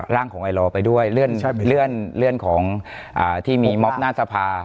ร่างของไอลอไปด้วยเลื่อนของที่มีมอบหน้าสภา